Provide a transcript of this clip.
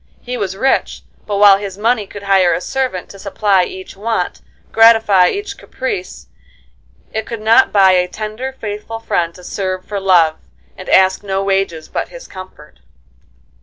He was rich, but while his money could hire a servant to supply each want, gratify each caprice, it could not buy a tender, faithful friend to serve for love, and ask no wages but his comfort.